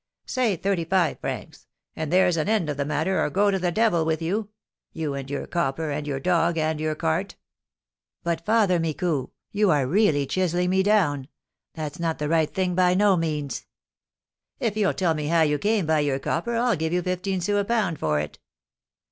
"Say thirty five francs, and there's an end of the matter, or go to the devil with you! you, and your copper, and your dog, and your cart." "But, Father Micou, you are really chiselling me down; that's not the right thing by no means." "If you'll tell me how you came by your copper, I'll give you fifteen sous a pound for it."